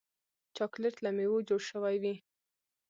چاکلېټ له میوو جوړ شوی وي.